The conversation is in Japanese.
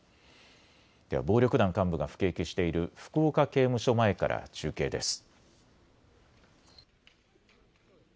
では暴力団幹部が服役している福岡刑務所前から中継です。